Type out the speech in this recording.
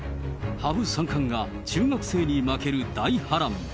羽生三冠が中学生に負ける大波乱。